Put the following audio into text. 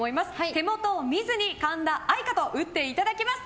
手元を見ずに「かんだあいか」と打っていただきます。